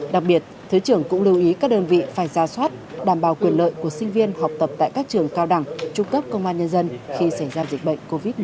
đặc biệt thứ trưởng cũng lưu ý các đơn vị phải ra soát đảm bảo quyền lợi của sinh viên học tập tại các trường cao đẳng trung cấp công an nhân dân khi xảy ra dịch bệnh covid một mươi chín